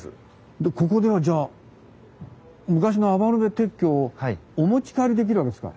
でここではじゃあ昔の余部鉄橋をお持ち帰りできるわけですか？